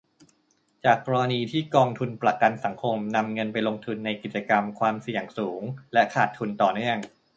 จากกรณีที่กองทุนประกันสังคม นำเงินไปลงทุนในกิจการความเสี่ยงสูงและขาดทุนต่อเนื่อง